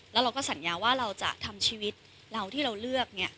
แล้วเราก็สัญญาว่าเราจะทำชีวิตเราที่เราเลือกเนี่ย